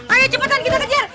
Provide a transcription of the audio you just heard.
ayo cepetan kita kejar